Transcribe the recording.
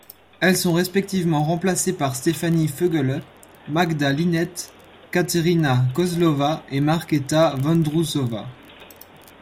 Elles sont respectivement remplacées par Stefanie Vögele, Magda Linette, Kateryna Kozlova et Markéta Vondroušová.